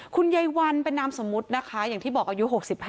คุณยายวันเป็นนามสมมุตินะคะอย่างที่บอกอายุ๖๕